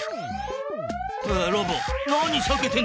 ロボなにさけてんだ。